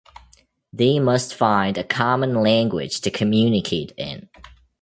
They must find a common language to communicate in.